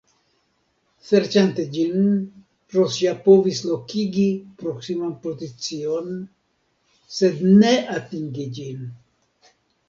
Serĉante ĝin, Ross ja povis lokigi proksiman pozicion, sed ne atingi ĝin.